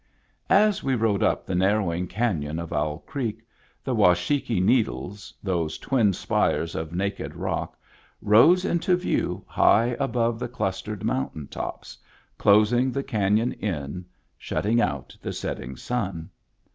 As we rode up the narrowing canon of Owl Creek, the Washakie Needles, those twin spires of naked rock, rose into view high above the clustered mountain tops, closing the canon in, shutting out the setting sun.